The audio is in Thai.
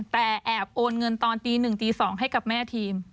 แต่แอบโอนเงินตอนตี๑ตี๒ให้กับแม่ทีม